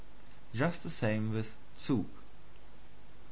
Just the same with ZUG.